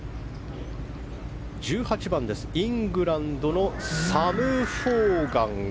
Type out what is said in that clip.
１８番、イングランドのサム・フォーガン。